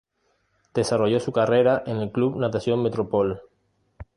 Desarrolló su carrera en el Club Natación Metropole.